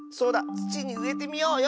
つちにうえてみようよ！